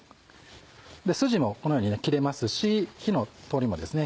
筋もこのように切れますし火の通りもですね